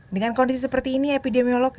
dengan kondisi seperti ini epidemiolog